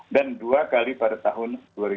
dan dua kali pada tahun dua ribu dua puluh satu